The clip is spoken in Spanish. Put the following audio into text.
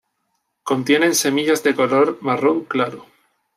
Contienen semillas de color marrón claro.